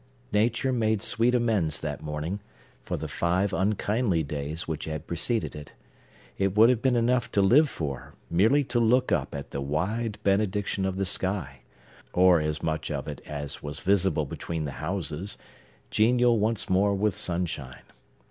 Nature made sweet amends, that morning, for the five unkindly days which had preceded it. It would have been enough to live for, merely to look up at the wide benediction of the sky, or as much of it as was visible between the houses, genial once more with sunshine.